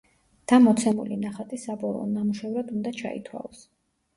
და მოცემული ნახატი საბოლოო ნამუშევრად უნდა ჩაითვალოს.